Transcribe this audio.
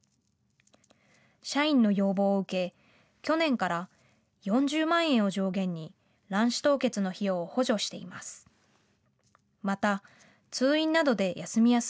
社員の要望を受け去年から４０万円を上限に卵子凍結の費用を補助しています。